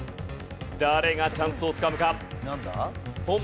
誰がチャンスをつかむか？